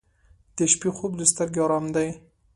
• د شپې خوب د سترګو آرام دی.